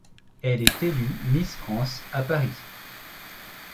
Elle est élue Miss France à Paris.